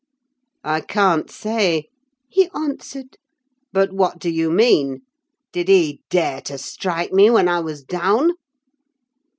"'I can't say,' he answered; 'but what do you mean? Did he dare to strike me when I was down?